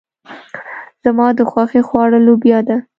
زما د خوښې خواړه لوبيا ده.